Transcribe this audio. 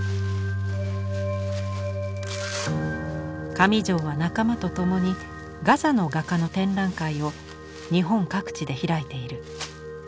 上條は仲間と共にガザの画家の展覧会を日本各地で開いている。